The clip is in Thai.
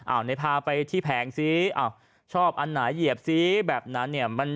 อ่าวเนรคาไปที่แผงซะอ้าวชอบอันไหนเหยียบซี่แบบนั้นเนี่ยมัน